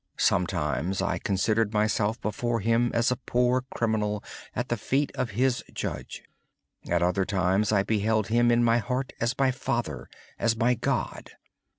Sometimes I considered myself before Him as a poor criminal at the feet of his judge. At other times I beheld Him in my heart as my Father, as my God.